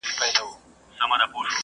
ډیموکراسي به څنګه پیاوړی سي؟